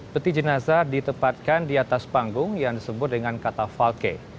peti jenazah ditempatkan di atas panggung yang disebut dengan kata falke